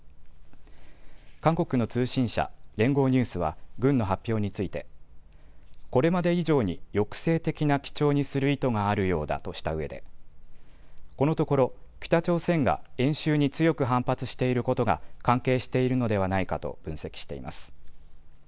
韓国の通信社、連合ニュースは軍の発表についてこれまで以上に抑制的な基調にする意図があるようだとしたうえでこのところ北朝鮮が演習に強く反発していることが関係しているのではないかと分析しています。